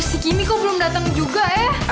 si kimi kok belum datang juga ya